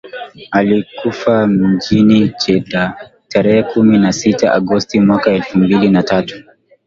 Alikufa mjini Jeddah tarehe kumi na sita Agosti mwaka elfu mbili na tatu